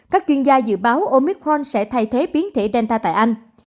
các chuyên gia dự báo omicron sẽ thay thế biến thể delta tại anh